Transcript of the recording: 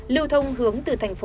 lưu thông hướng từ thành phố